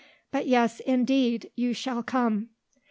But yes, indeed, you shall come."